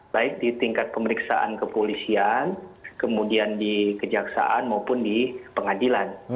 baik di tingkat pemeriksaan kepolisian kemudian di kejaksaan maupun di pengadilan